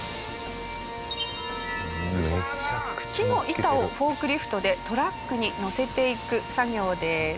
木の板をフォークリフトでトラックに載せていく作業です。